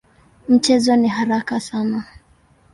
Mchezo ni haraka sana.